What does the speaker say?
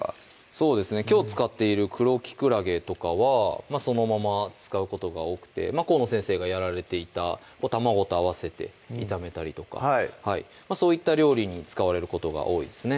そうですねきょう使っている黒きくらげとかはそのまま使うことが多くて河野先生がやられていた卵と合わせて炒めたりとかそういった料理に使われることが多いですね